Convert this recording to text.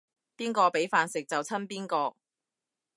邊個畀飯食就親邊個